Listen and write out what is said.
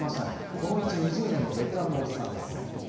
この道２０年のベテランのおじさんです。